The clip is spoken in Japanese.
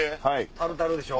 タルタルでしょ。